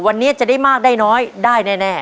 วันนี้จะได้มากได้น้อยได้แน่